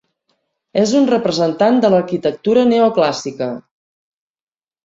És un representant de l'arquitectura neoclàssica.